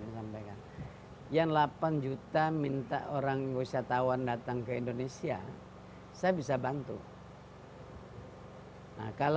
disampaikan yang delapan juta minta orang wisatawan datang ke indonesia saya bisa bantu hai nah kalau